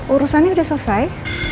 urusannya udah selesai